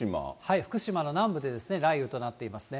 福島の南部で雷雨となっていますね。